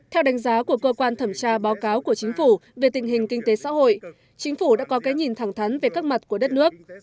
theo đánh giá của cơ quan thẩm tra báo cáo của chính phủ về tình hình kinh tế xã hội chính phủ đã có cái nhìn thẳng thắn về các mặt của đất nước